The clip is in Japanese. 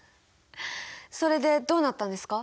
それでどうなったんですか？